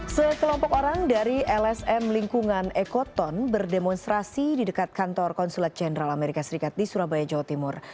sekelompok orang dari lsm lingkungan ekoton berdemonstrasi di dekat kantor konsulat jenderal amerika serikat di surabaya jawa timur